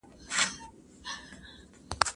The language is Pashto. زه بايد کالي وچوم،